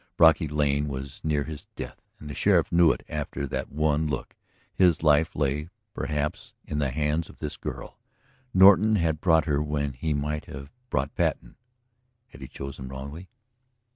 Brocky Lane was near his death and the sheriff knew it after that one look; his life lay, perhaps, in the hands of this girl. Norton had brought her when he might have brought Patten. Had he chosen wrongly?